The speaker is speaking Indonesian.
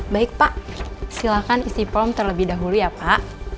baik pak silahkan isi form terlebih dahulu ya pak